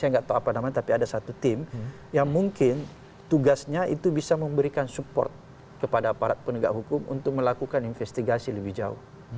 saya nggak tahu apa namanya tapi ada satu tim yang mungkin tugasnya itu bisa memberikan support kepada aparat penegak hukum untuk melakukan investigasi lebih jauh